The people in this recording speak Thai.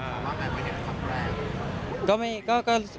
ว่าไงไม่เห็นว่าคำแรง